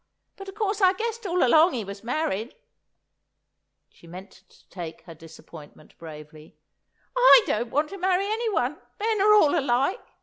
But, of course, I guessed all along he was married." She meant to take her disappointment bravely. "I don't want to marry anyone; men are all alike.